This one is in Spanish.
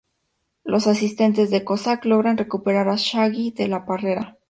Los asistentes de Kozak logran recuperar a Shaggy de la perrera.